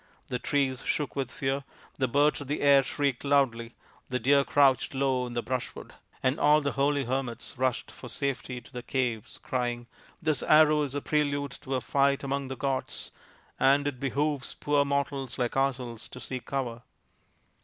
The trees shook with fear, the birds of the air shrieked loudly, the deer crouched low in the brushwood, and all the holy hermits rushed for safety to the caves, crying, " This arrow is a prelude to a fight among the gods, and it behoves poor mortals like ourselves to seek cover."